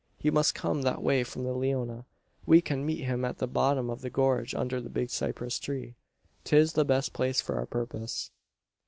He must come that way from the Leona. We can meet him at the bottom of the gorge under the big cypress tree. 'Tis the best place for our purpose."